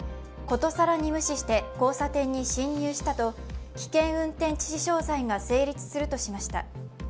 殊更に無視して交差点に進入したと危険運転致死傷罪が成立するとしました。